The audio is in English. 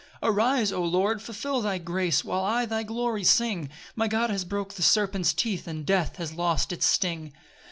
7 Arise, O Lord, fulfil thy grace, While I thy glory sing: My God has broke the serpent's teeth, And death has lost his sting.